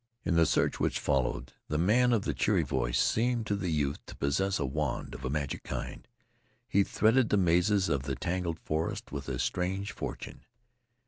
In the search which followed, the man of the cheery voice seemed to the youth to possess a wand of a magic kind. He threaded the mazes of the tangled forest with a strange fortune.